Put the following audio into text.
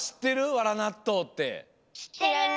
わらなっとうって。